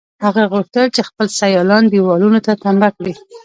هغه غوښتل چې خپل سیالان دېوالونو ته تمبه کړي